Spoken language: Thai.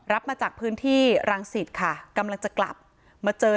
รับมาจากพื้นที่รังสิตค่ะกำลังจะกลับมาเจอ